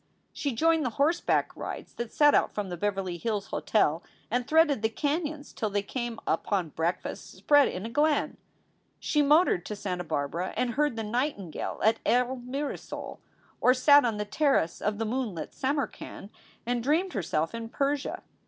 She joined the horseback rides that set out from the Beverly Hills Hotel and threaded the canons till they came upon breakfast spread in a glen. She motored to Santa Barbara and heard the nightingale at El Mirasol, or sat on the terrace of the moonlit Samarkand and dreamed herself in Persia.